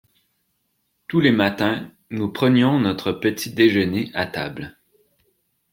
Tous les matins nous prenions notre petit-déjeuner à table.